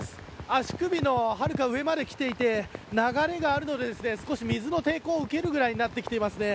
足首のはるか上まできていて流れがあるので、少し水の抵抗を受けるくらいになってきていますね。